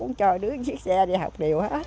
ông cho đứa chiếc xe đi học đều hết